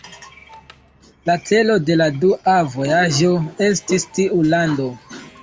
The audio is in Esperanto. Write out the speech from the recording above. La celo de la dua vojaĝo estis tiu lando.